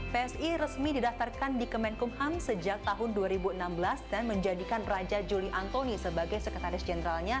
psi resmi didaftarkan di kemenkumham sejak tahun dua ribu enam belas dan menjadikan raja juli antoni sebagai sekretaris jenderalnya